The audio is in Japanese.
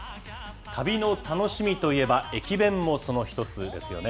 旅の楽しみといえば、駅弁もその一つですよね。